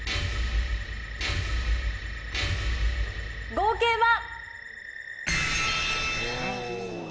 合計は？